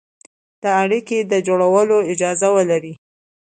د اړيکې د جوړولو اجازه ولري،